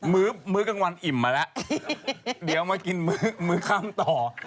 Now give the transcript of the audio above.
มื้อกลางวันอิ่มมาแล้วเดี๋ยวมากินมื้อข้ามต่อ